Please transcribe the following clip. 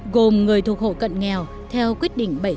gồm người thuộc hộ cận nghèo theo quyết định bảy trăm linh năm qdttg